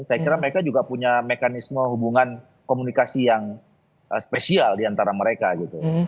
saya kira mereka juga punya mekanisme hubungan komunikasi yang spesial diantara mereka gitu